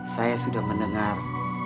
saya sudah mendengar